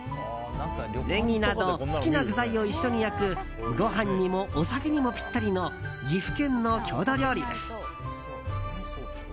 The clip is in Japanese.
ネギなど好きな具材を一緒に焼くご飯にもお酒にもピッタリの岐阜県の郷土料理です。